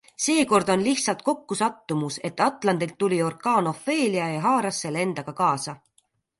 Seekord on lihtsalt kokkusattumus, et Atlandilt tuli orkaan Ophelia ja haaras selle endaga kaasa.